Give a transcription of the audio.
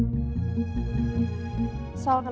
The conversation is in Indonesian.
semoga kamu bisa pikirkan hal hal lain